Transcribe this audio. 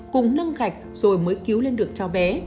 cùng nâng gạch rồi mới cứu lên được cháu bé